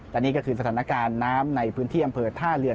และนี่ก็คือสถานการณ์น้ำในพื้นที่อำเภอท่าเรือ